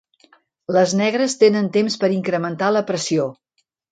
Les negres tenen temps per incrementar la pressió.